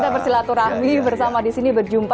kita bersilaturahmi bersama disini berjumpa